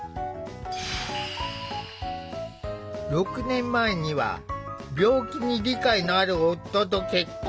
６年前には病気に理解のある夫と結婚。